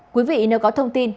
quý vị nếu có thông tin